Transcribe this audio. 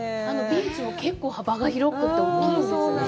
ビーチも結構幅が広くて、大きいんですね。